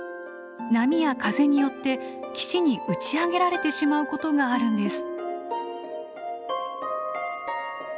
波や風によって岸に打ち上げられてしまうことがあるんです。